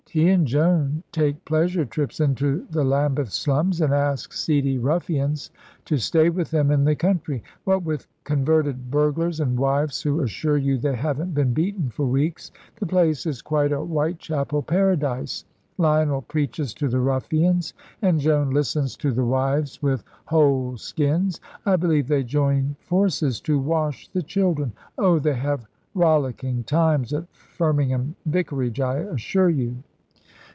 He and Joan take pleasure trips into the Lambeth slums and ask seedy ruffians to stay with them in the country. What with converted burglars and wives who assure you they haven't been beaten for weeks, the place is quite a Whitechapel Paradise. Lionel preaches to the ruffians, and Joan listens to the wives with whole skins. I believe they join forces to wash the children. Oh, they have rollicking times at Firmingham Vicarage, I assure you."